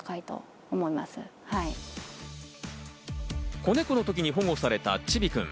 子ネコのときに保護された、ちびくん。